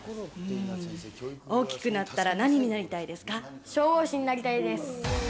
大きくなったら何になりたい消防士になりたいです。